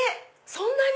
そんなに？